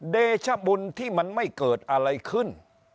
เดชบุญที่มันไม่เกิดอะไรขึ้น